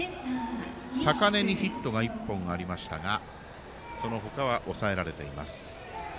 坂根にヒットが１本ありましたがその他は抑えられています。